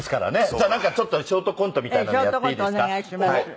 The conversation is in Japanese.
じゃあなんかちょっとショートコントみたいなのやっていいですか？